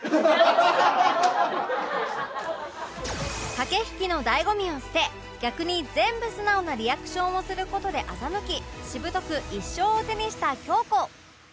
駆け引きの醍醐味を捨て逆に全部素直なリアクションをする事で欺きしぶとく１勝を手にした京子